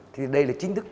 thì đây là chính thức